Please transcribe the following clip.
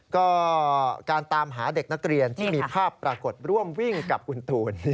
ก็การตามหาเด็กนักเรียนที่มีภาพปรากฏร่วมวิ่งกับคุณตูน